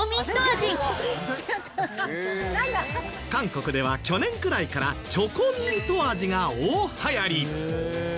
韓国では去年くらいからチョコミント味が大流行り！